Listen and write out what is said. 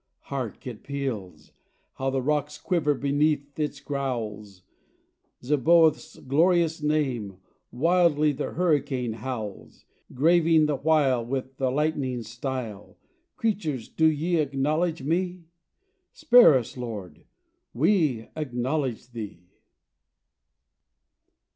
Hark! it peals how the rocks quiver beneath its growls Zeboath's glorious name, wildly the hurricane howls! Graving the while With the lightning's style "Creatures, do ye acknowledge me?" Spare us, Lord! We acknowledge Thee!